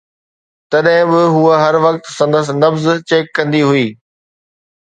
تڏهن به هوءَ هر وقت سندس نبض چيڪ ڪندي هئي